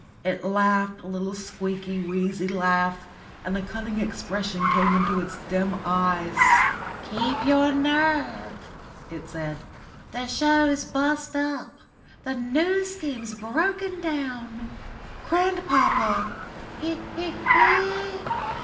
It laughed a little squeaky, wheezy laugh, and a cunning expression came into its dim eyes. "Keep your nerve," it said. "The show's bust up; the New Scheme's broken down!" "Grandpapa!" "He he he!